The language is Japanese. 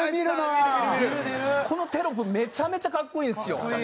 このテロップめちゃめちゃ格好いいんですよ。